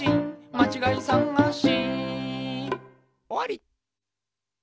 「まちがいさがし」